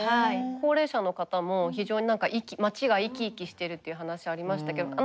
高齢者の方も非常に何か街が生き生きしているっていう話ありましたけれども。